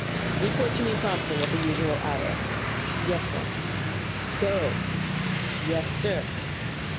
"Report to me promptly at the usual hour." "Yes, Sir." "Go!" "Yes, sir."